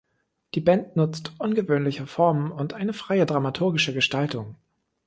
Die Band nutzt ungewöhnliche Formen und eine freie dramaturgische Gestaltung.